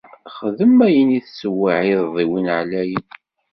Xdem ayen i tettweɛɛideḍ i win εlayen.